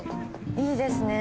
いいですね。